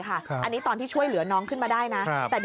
อันนี้ตอนที่ช่วยเหลือน้องขึ้นมาได้นะ